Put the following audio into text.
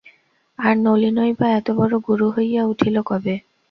আর নলিনই বা এতবড়ো গুরু হইয়া উঠিল কবে?